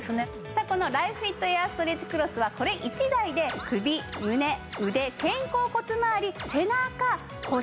さあこのライフフィットエアーストレッチクロスはこれ１台で首胸腕肩甲骨まわり背中腰